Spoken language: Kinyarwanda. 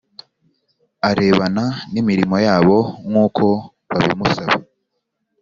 arebana n imirimo yabo nkuko babimusaba